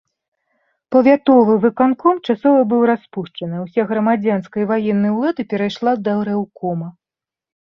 Павятовы выканком часова быў распушчаны, уся грамадзянская і ваенная ўлада перайшла да рэўкома.